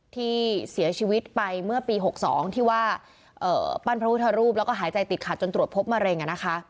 ที่เสียชีวิตไปเมื่อปี๖๒ที่ว่าปั้นพระพุทธรูปแล้วก็หายใจติดขัดจนตรวจพบมะเร็ง